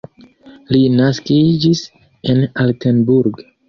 Li naskiĝis en Altenburg.